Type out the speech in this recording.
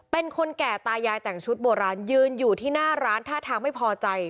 เป็นคนแก่ตายายแต่งชุดโบราณยืนอยู่ที่หน้าร้านท่าทางไม่พอใจ